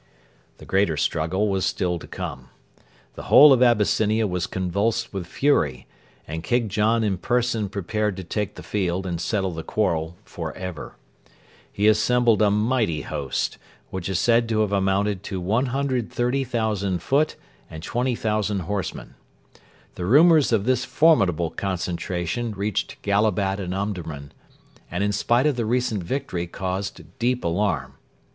The greater struggle was still to come. The whole of Abyssinia was convulsed with fury, and King John in person prepared to take the field and settle the quarrel for ever. He assembled a mighty host, which is said to have amounted to 130,000 foot and 20,000 horsemen. The rumours of this formidable concentration reached Gallabat and Omdurman, and in spite of the recent victory caused deep alarm.